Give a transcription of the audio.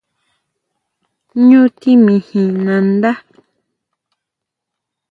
¿ʼÑu timijin nandá?